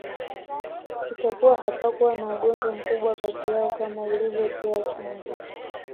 Itakuwa hapakuwa na ugomvi mkubwa kati yao kama ilivyotiwa chumvi